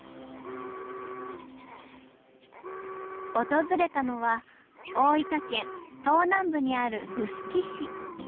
訪れたのは大分県東南部にある臼杵市。